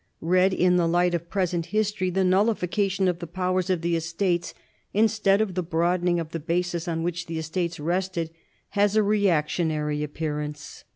Read in the light of present his tor v, the nullification of the powers of the Estates, instead^of the broadening of ^ he basis on which the Estates rested, has a reactionary appearance.